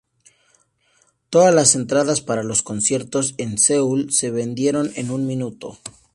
Todas las entradas para los conciertos en Seúl se vendieron en un minuto.